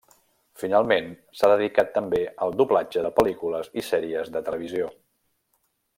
Finalment, s'ha dedicat també al doblatge de pel·lícules i sèries de televisió.